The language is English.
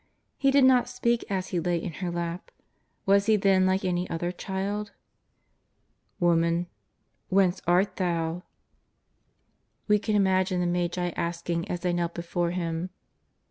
He did not speak as He lay in her lap. Was He then like any other child ?" Whence art Thou ?" we can 82 JESUS OF NAZAEETH. imagine the Magi asking as tliey knelt before Him.